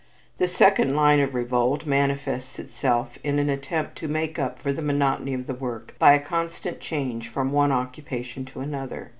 The second line of revolt manifests itself in an attempt to make up for the monotony of the work by a constant change from one occupation to another.